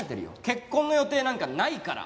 結婚の予定なんかないから。